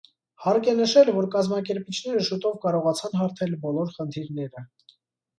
Հարկ է նշել, որ կազմակերպիչները շուտով կարողացան հարթել բոլոր խնդիրները։